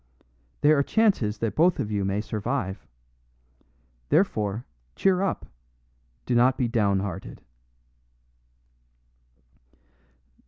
There are chances that both of you may survive. Therefore, cheer up; do not be downhearted."